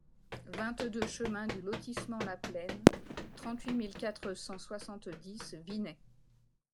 vingt-deux chemin du Lotissement la Plaine, trente-huit mille quatre cent soixante-dix Vinay